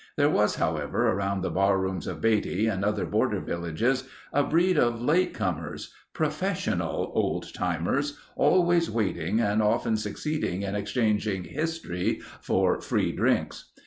There was, however, around the barrooms of Beatty and other border villages a breed of later comers—"professional" old timers always waiting and often succeeding in exchanging "history" for free drinks.